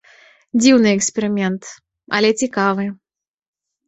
Дзіўны эксперымент, але цікавы.